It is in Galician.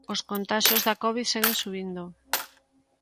Os contaxios da covid seguen subindo.